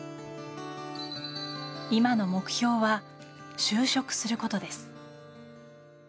今の目標は、就職することです。